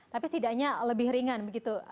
tapi setidaknya lebih ringan begitu